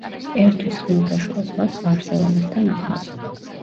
ერთვის ხმელთაშუა ზღვას ბარსელონასთან ახლოს.